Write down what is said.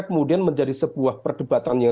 kemudian menjadi sebuah perdebatan yang